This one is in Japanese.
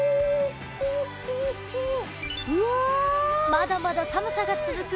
まだまだ寒さが続く